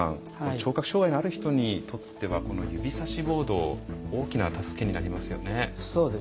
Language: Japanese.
聴覚障害のある人にとってはこの指さしボードが大きな助けになりますよね。